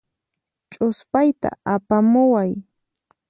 Ch'uspayta apamuway.